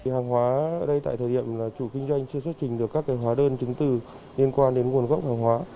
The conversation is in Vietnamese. hàng hóa ở đây tại thời điểm chủ kinh doanh chưa xuất trình được các hóa đơn chứng từ liên quan đến nguồn gốc hàng hóa